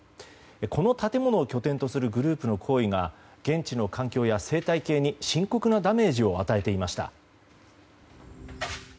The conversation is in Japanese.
この建物を拠点とするグループの行為が現地の環境や生態系に深刻なダメージを与えていました。